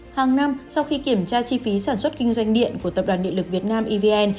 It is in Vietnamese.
hàng năm sau khi kiểm tra chi phí sản xuất kinh doanh điện của tập đoàn địa lực việt nam evn